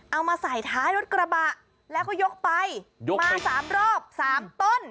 เอามาใส่ท้ายรถกระบะแล้วก็ยกไปมา๓รอบ๓ต้น